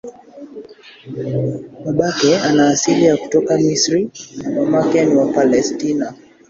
Babake ana asili ya kutoka Misri na mamake ni wa Palestina.